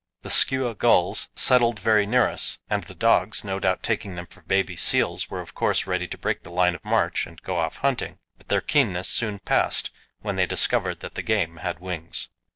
The skua gulls settled very near us, and the dogs, no doubt taking them for baby seals, were of course ready to break the line of march, and go off hunting, but their keenness soon passed when they discovered that the game had wings.